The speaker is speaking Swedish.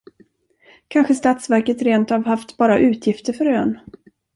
Kanske statsverket rentav haft bara utgifter för ön?